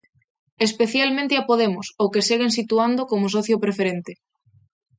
Especialmente a Podemos, ao que seguen situando como socio preferente.